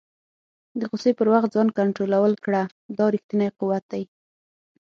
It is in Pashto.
د غوسې پر وخت ځان کنټرول کړه، دا ریښتنی قوت دی.